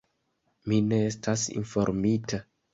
Mi ne estas informita.